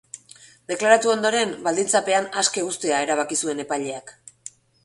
Deklaratu ondoren, baldintzapean aske uztea erabaki zuen epaileak.